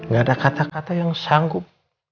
gak ada kata kata yang sanggup